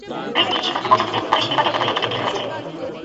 Christie সিদ্ধান্তে পৌঁছে যে পুলিশ বিভাগের ভিতরে একটি তিল রয়েছে।